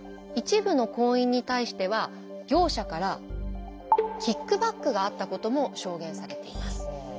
一部の行員に対しては業者からキックバックがあったことも証言されています。